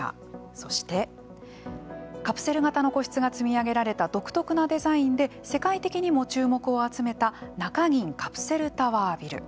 そして、カプセル型の個室が積み上げられた独特なデザインで世界的にも注目を集めた中銀カプセルタワービル。